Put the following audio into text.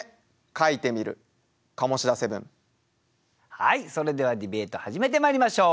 はいそれではディベート始めてまいりましょう。